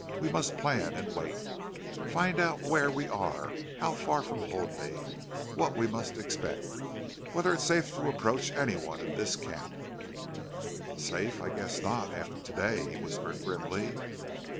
We must plan and wait. Find out where we are how far from Hoadley what we must expect whether it's safe to approach any one in this camp." "Safe! I guess not, after to day," he whispered, grimly.